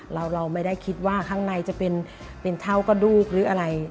เราไม่ได้คิดว่าข้างในจะเป็นเท่ากระดูกหรืออะไร